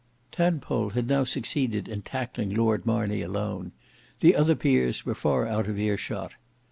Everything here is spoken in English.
Tadpole had now succeeded in tackling Lord Marney alone; the other peers were far out of ear shot.